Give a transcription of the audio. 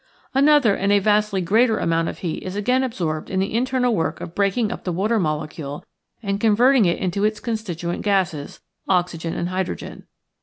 Another and a vastly greater amount of heat is again absorbed in the internal work of breaking up the water molecule and (in verting it into its constituent gases, oxygen and hydrogen.